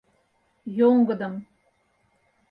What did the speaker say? Йоҥгыдым